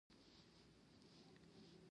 زه د ښوونځي د فعالیتونو برخه یم.